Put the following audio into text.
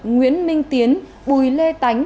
nguyễn minh tiến bùi lê tánh